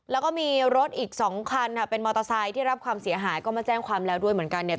แล้วก็มีรถอีกสองคันค่ะเป็นมอเตอร์ไซค์ที่รับความเสียหายก็มาแจ้งความแล้วด้วยเหมือนกันเนี่ย